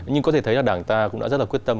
nhưng có thể thấy là đảng ta cũng đã rất là quyết tâm